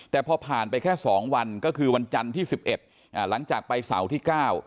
แต่พอผ่านไปแค่สองวันก็คือวันจันทร์ที่สิบเอ็ดอ่าหลังจากไปเสาร์ที่เก้า